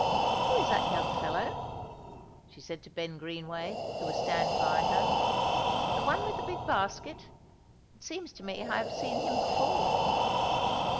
"Who is that young fellow?" she said to Ben Greenway, who was standing by her, "the one with the big basket? It seems to me I have seen him before."